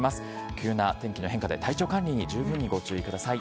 急な天気の変化で体調管理に十分にご注意ください。